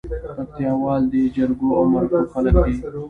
پکتياوال دي جرګو او مرکو خلک دي